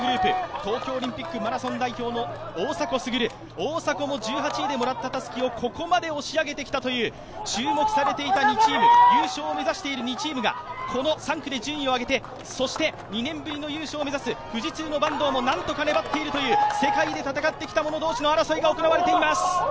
東京オリンピックマラソン代表の大迫傑、大迫も１８位でもらったたすきをここまで押し上げてきたという、優勝を目指している２チームが、この３区で順位を上げてそして２年ぶりの優勝を目指す富士通の坂東もなんとか粘っているという世界で戦ってきた者同士の争いが行われています。